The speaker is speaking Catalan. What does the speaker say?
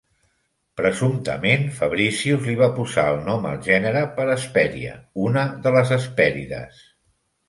Presumptament Fabricius li va posar el nom al gènere per Hesperia, una de les Hespèrides.